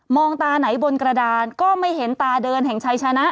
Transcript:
ตาไหนบนกระดานก็ไม่เห็นตาเดินแห่งชัยชนะ